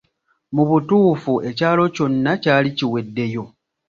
Mu butuufu ekyalo kyonna kyali kiweddeyo.